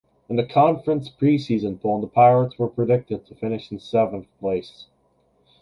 In the conference preseason poll the Pirates were predicted to finish in seventh place.